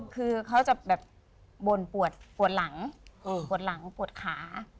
คือเขาจะแบบบ่นปวดปวดหลังปวดหลังปวดขา